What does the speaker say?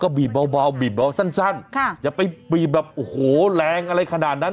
บีบเบาบีบเบาสั้นอย่าไปบีบแบบโอ้โหแรงอะไรขนาดนั้น